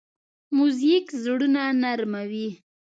موزیک زړونه نرمه وي.